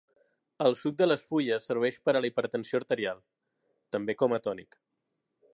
El suc de les fulles serveix per a la hipertensió arterial; també com a tònic.